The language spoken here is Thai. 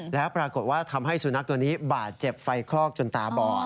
แล้วปรากฏว่าทำให้สุนัขตัวนี้บาดเจ็บไฟคลอกจนตาบอด